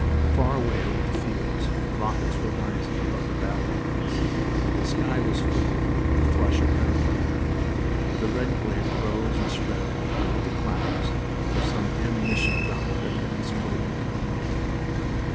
Far away over the fields, rockets were rising above the battle lines. The sky was flickering with the flush of gun fire. A red glare rose and spread below the clouds where some ammunition dump had been exploded...